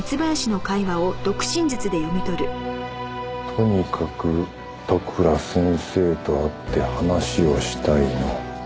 「とにかく利倉先生と会って話をしたいの」